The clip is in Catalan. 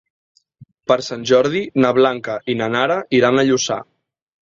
Per Sant Jordi na Blanca i na Nara iran a Lluçà.